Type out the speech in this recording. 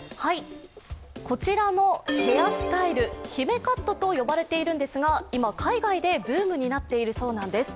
こちらのヘアスタイル、姫カットと呼ばれているんですが今、海外でブームになっているそうなんです。